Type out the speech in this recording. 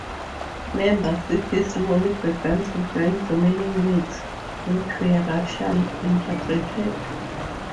Member cities slowly began to join remaining leagues, which were racially integrated.